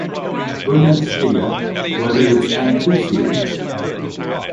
Bundesliga, where they would spend two seasons.